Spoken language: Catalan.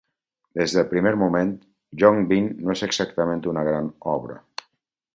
Des del primer moment, Young-bin no és exactament una gran obra.